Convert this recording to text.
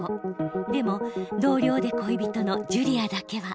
でも同僚で恋人のジュリアだけは。